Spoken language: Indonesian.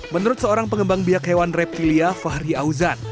menurut seorang pengembang biak hewan reptilia fahri auzan